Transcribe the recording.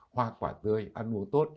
hoa quả tươi ăn uống tốt